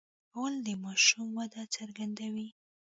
غول د ماشوم وده څرګندوي.